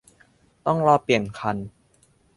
ต้องรอเปลี่ยนคัน